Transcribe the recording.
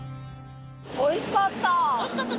おいしかった。